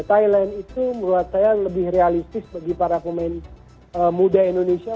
khusus asnawi liga korea menurut saya lebih realistis bagi para pemain muda indonesia